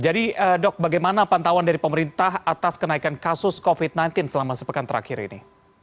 jadi dok bagaimana pantauan dari pemerintah atas kenaikan kasus covid sembilan belas selama sepekan terakhir ini